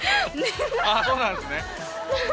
ああそうなんですね。